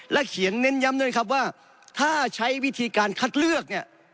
เขียนเน้นย้ำด้วยครับว่าถ้าใช้วิธีการคัดเลือกเนี่ย